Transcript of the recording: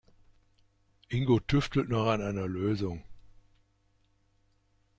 Ingo tüftelt noch an einer Lösung.